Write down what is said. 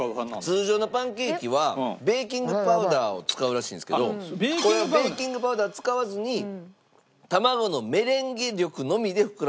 通常のパンケーキはベーキングパウダーを使うらしいんですけどこれはベーキングパウダー使わずに卵のメレンゲ力のみで膨らませてる。